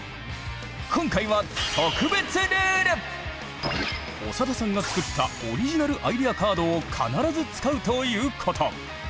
今回は長田さんが作ったオリジナルアイデアカードを必ず使うということ。